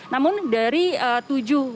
namun dari tujuh